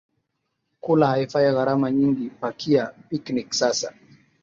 Kula haifai gharama nyingi Pakia picnic sasa